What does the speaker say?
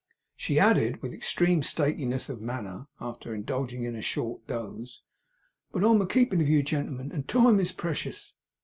She added with extreme stateliness of manner after indulging in a short doze: 'But I am a keepin' of you gentlemen, and time is precious.